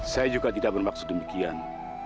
saya juga tidak bermaksud demikian